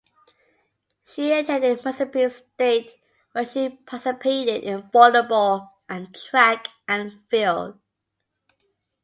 She attended Mississippi State where she participated in volleyball and track and field.